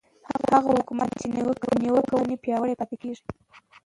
هغه حکومت چې نیوکه ومني پیاوړی پاتې کېږي